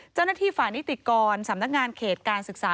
เจ้าหน้าที่ฝ่านิติกรสำนักงานเขตการศึกษา